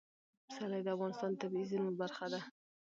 پسرلی د افغانستان د طبیعي زیرمو برخه ده.